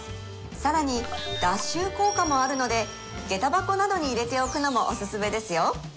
さらに脱臭効果もあるのでげた箱などに入れておくのもおすすめですよ